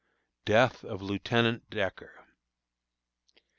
DEATH OF LIEUTENANT DECKER.